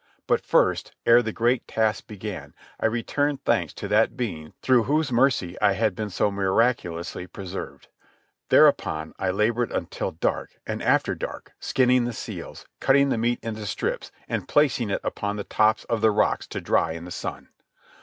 But first, ere the great task began, I returned thanks to that Being through whose mercy I had been so miraculously preserved. Thereupon I laboured until dark, and after dark, skinning the seals, cutting the meat into strips, and placing it upon the tops of rocks to dry in the sun.